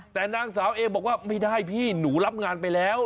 แต่นางสาวเอบอกว่าไม่ได้พี่หนูรับงานไปแล้ว